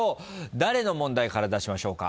誰の問題から出しましょうか？